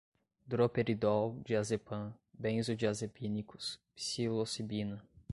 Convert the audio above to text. droperidol, diazepam, benzodiazepínicos, psilocibina